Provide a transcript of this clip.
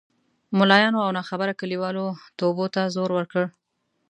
ملایانو او ناخبره کلیوالو توبو ته زور ورکړ.